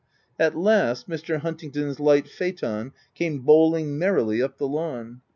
At last, Mr. Huntingdon's light phaeton came bowling merrily up the lawn.